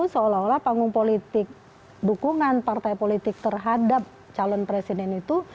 seolah olah panggung politik dukungan partai politik terhadap calon presiden itu